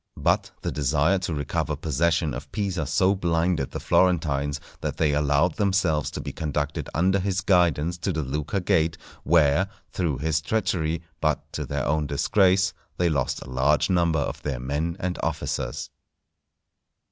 But the desire to recover possession of Pisa so blinded the Florentines that they allowed themselves to be conducted under his guidance to the Lucca Gate, where, through his treachery, but to their own disgrace, they lost a large number of their men and officers.